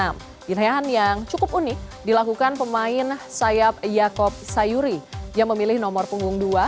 keinayahan yang cukup unik dilakukan pemain sayap yaakob sayuri yang memilih nomor punggung dua